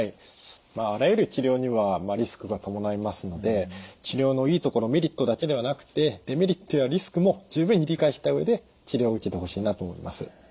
あらゆる治療にはリスクが伴いますので治療のいいところメリットだけではなくてデメリットやリスクも十分に理解した上で治療を受けてほしいなと思います。